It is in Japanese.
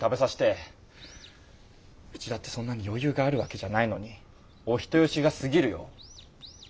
うちだってそんなに余裕があるわけじゃないのにお人よしがすぎるよ。